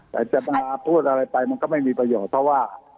แต่จะมาพูดอะไรไปมันก็ไม่มีประโยชน์เพราะว่า